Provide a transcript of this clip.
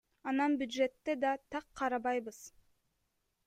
Анан бюджетте да так карабайбыз.